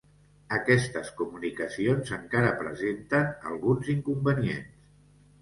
Aquestes comunicacions encara presenten alguns inconvenients.